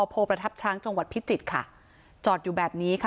โพประทับช้างจังหวัดพิจิตรค่ะจอดอยู่แบบนี้ค่ะ